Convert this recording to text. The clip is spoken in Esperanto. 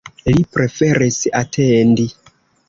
Li preferis atendi.